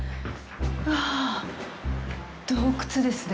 うわ、洞窟ですね。